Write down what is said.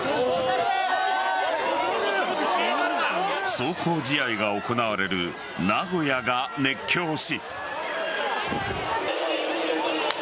壮行試合が行われる名古屋が熱狂し。